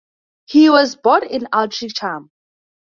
He was born in Altrincham.